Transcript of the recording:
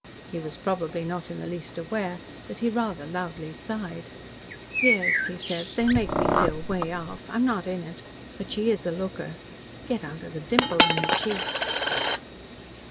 He was probably not in the least aware that he rather loudly sighed. "Yes," he said, "they make me feel 'way off. I'm not in it. But she is a looker. Get onto that dimple in her cheek."